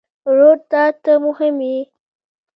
ورور ته ته مهم یې.